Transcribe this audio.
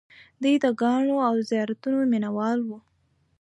دوی د ګاڼو او زیوراتو مینه وال وو